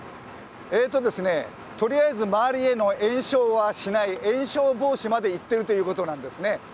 とりあえず周りへの延焼はしない、延焼防止までいってるということなんですね。